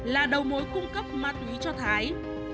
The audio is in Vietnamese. là đầu mối cung cấp ma túy cho thái